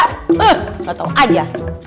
huh gak tau aja